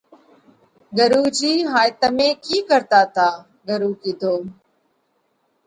“ڳرُو جِي هائي تمي ڪِي ڪرتا تا؟ ڳرُو ڪِيڌو: